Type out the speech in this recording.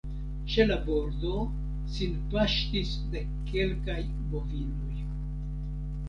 Ĉe la bordo sin paŝtis dekkelkaj bovinoj.